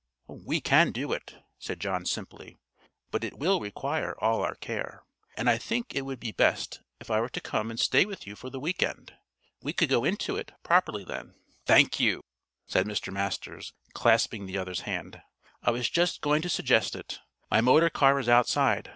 "We can do it," said John simply, "but it will require all our care; and I think it would be best if I were to come and stay with you for the weekend. We could go into it properly then." "Thank you," said Mr. Masters, clasping the other's hand. "I was just going to suggest it. My motor car is outside.